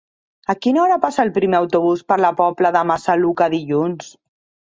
A quina hora passa el primer autobús per la Pobla de Massaluca dilluns?